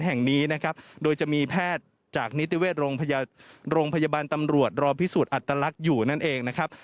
แห่งนี้นะครับโดยจะมีแพทย์จากนิติเวชโรงพยาบาลตำรวจรอพิสูจน์อัตลักษณ์อยู่นั่นเองนะครับ